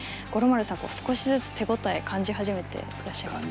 少しずつ手応え感じ始めていらっしゃいますか？